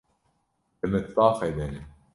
Di mitbaxê de ne.